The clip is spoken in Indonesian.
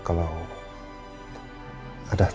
kalau ada teman